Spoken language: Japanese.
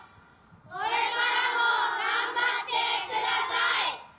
これからも頑張ってください。